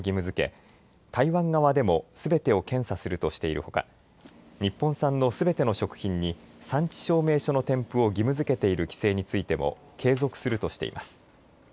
づけ台湾側でもすべてを検査するとしているほか日本産のすべての食品に産地証明書の添付を義務づけている規制についても継続するとしています。